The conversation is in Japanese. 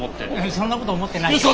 そんなこと思ってないよ。